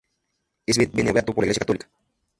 Es venerado como beato por la Iglesia católica.